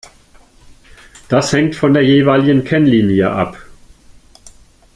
Das hängt von der jeweiligen Kennlinie ab.